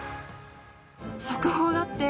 速報だって。